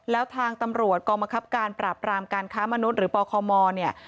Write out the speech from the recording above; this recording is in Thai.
แล้วทางตำรวจกองบังคับการปราบรามการค้ามนุษย์หรือปคมเนี่ย